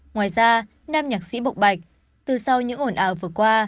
ngoài ra nam nhạc sĩ bộc bạch từ sau những ổn ảo vừa qua